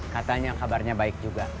katanya kabarnya baik juga